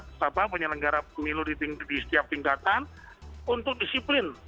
serta penyelenggara pemilu di setiap tingkatan untuk disiplin